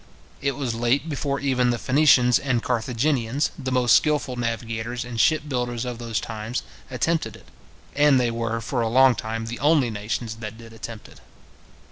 It was late before even the Phoenicians and Carthaginians, the most skilful navigators and ship builders of those old times, attempted it; and they were, for a long time, the only nations that did attempt it.